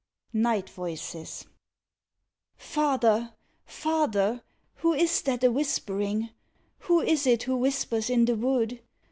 NIGHT VOICES Father, father, who is that a whispering? Who is it who whispers in the wood?